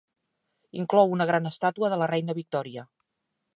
Inclou una gran estàtua de la Reina Victòria.